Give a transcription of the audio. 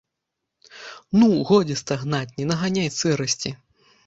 Ну, годзе стагнаць, не наганяй сырасці.